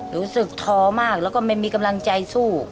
รู้สึกท้อมากแล้วก็ไม่มีกำลังใจสู้